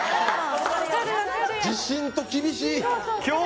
「自信」と「厳しい」！